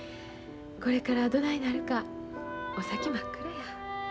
これからどないなるかお先真っ暗や。